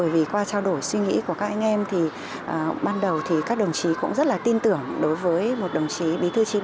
vì hai đồng chí của mình